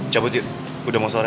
cabut udah mau sore